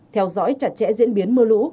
hai theo dõi chặt chẽ diễn biến mưa lũ